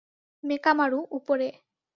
মেকামারু, উপরে!